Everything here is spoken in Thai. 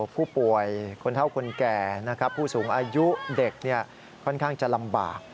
ผู้ป่วยคนเท่าคนแก่นะครับผู้สูงอายุเด็กค่อนข้างจะลำบาก